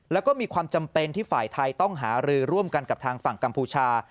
แล้วก็มีความจำเป็นที่ฝ่ายไทยต้องหารือร่วมกันกับทางฝั่งกัมพูชา